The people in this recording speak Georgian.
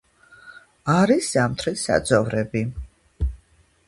არის ზამთრის საძოვრები.